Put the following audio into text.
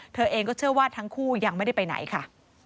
เธอเองก็เชื่อว่าทั้งคู่ยังไม่ได้ไปไหนค่ะ